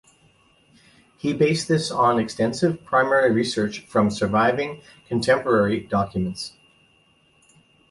He based this on extensive primary research from surviving contemporary documents.